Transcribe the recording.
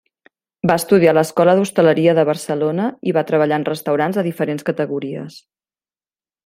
Va estudiar a l'Escola d'Hostaleria de Barcelona i va treballar en restaurants de diferents categories.